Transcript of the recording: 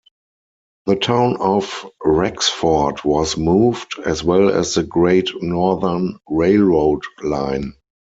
The town of Rexford was moved, as well as the Great Northern Railroad line.